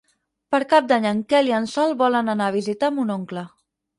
Per Cap d'Any en Quel i en Sol volen anar a visitar mon oncle.